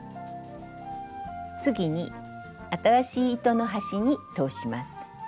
次に新しい糸の端に通します。